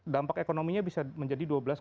dampak ekonominya bisa menjadi dua belas